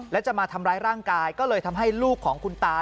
และจะมาทำร้ายร่างกายก็เลยทำให้ลูกของคุณตา